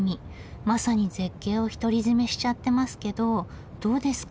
まさに絶景を独り占めしちゃってますけどどうですか？